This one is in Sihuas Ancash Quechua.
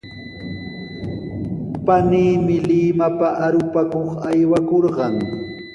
Paniimi Limapa arupakuq aywakurqan.